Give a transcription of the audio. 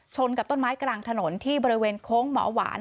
กับต้นไม้กลางถนนที่บริเวณโค้งหมอหวาน